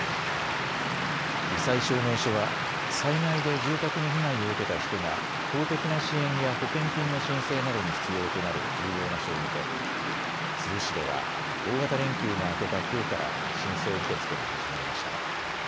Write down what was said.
り災証明書は災害で住宅に被害を受けた人が公的な支援や保険金の申請などに必要となる重要な書類で珠洲市では大型連休が明けたきょうから申請受け付けが始まりました。